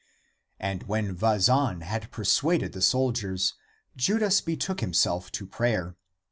And when Vazan had persuaded the soldiers, Judas betook himself to prayer.